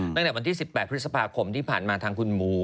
ตั้งแต่วันที่๑๘พฤษภาคมที่ผ่านมาทางคุณหมู